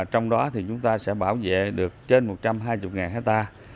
trong đó thì chúng ta sẽ bảo vệ được trên một trăm hai mươi hectare